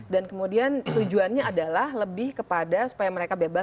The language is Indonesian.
dan kemudian tujuannya adalah lebih kepada supaya mereka bebas